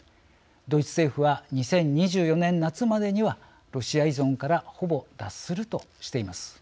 ドイツ政府は２０２４年夏までにはロシア依存からほぼ脱するとしています。